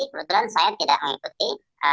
kebetulan saya tidak mengikuti